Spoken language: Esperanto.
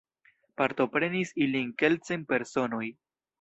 Partoprenis ilin kelkcent personoj.